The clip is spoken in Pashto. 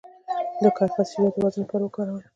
د کرفس شیره د وزن لپاره وکاروئ